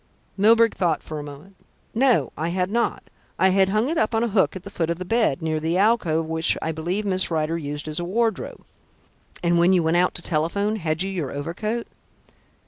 Milburgh thought for a moment. "No, I had not. I had hung it up on a hook at the foot of the bed, near the alcove which I believe Miss Rider used as a wardrobe." "And when you went out to telephone, had you your overcoat?"